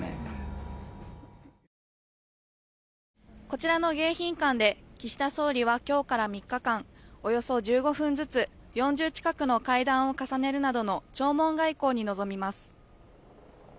こちらの迎賓館で岸田総理は、今日から３日間およそ１５分ずつ４０近くの会談を重ねるなどの弔問外交に臨みます。